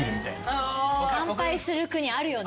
乾杯する国あるよね。